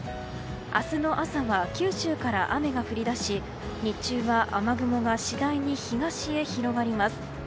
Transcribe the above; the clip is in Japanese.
明日の朝は九州から雨が降り出し日中は雨雲が次第に東へ広がります。